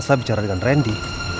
elsa bicara dengan rendy